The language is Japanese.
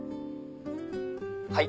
はい。